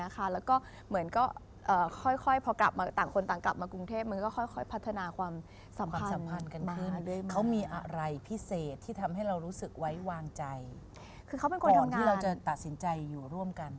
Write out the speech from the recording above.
คือเขาเป็นคนทำงาน